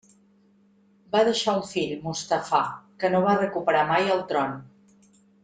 Va deixar un fill, Mustafà, que no va recuperar mai el tron.